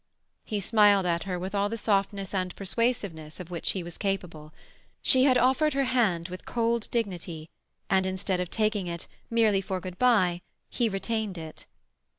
He smiled at her with all the softness and persuasiveness of which he was capable. She had offered her hand with cold dignity, and instead of taking it merely for good bye he retained it.